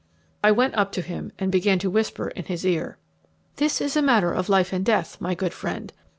I went up to him, and began to whisper in his ear. "This is a matter of life and death, my good friend.